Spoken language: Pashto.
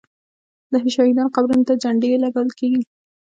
د شهیدانو قبرونو ته جنډې لګول کیږي.